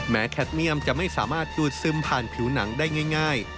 แคทเนียมจะไม่สามารถดูดซึมผ่านผิวหนังได้ง่าย